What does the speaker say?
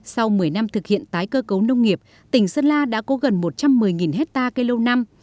sau một mươi năm thực hiện tái cơ cấu nông nghiệp tỉnh sơn la đã có gần một trăm một mươi hectare cây lâu năm